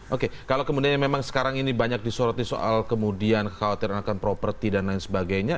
oke kalau kemudian memang sekarang ini banyak disoroti soal kemudian kekhawatiran akan properti dan lain sebagainya